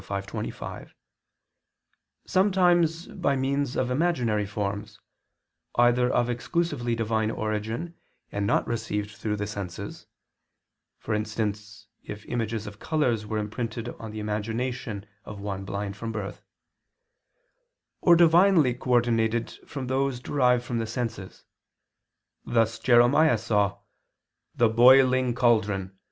5:25) sometimes by means of imaginary forms, either of exclusively Divine origin and not received through the senses (for instance, if images of colors were imprinted on the imagination of one blind from birth), or divinely coordinated from those derived from the senses thus Jeremiah saw the "boiling caldron